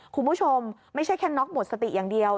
คุณผู้ชมไม่ใช่แค่น็อกหมดสติอย่างเดียว